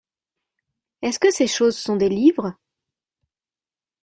Est-ce que ces choses sont des livres ?